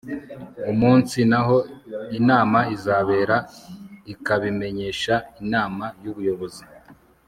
umunsi n'aho inama izabera ikabimenyesha inama y'ubuyobozi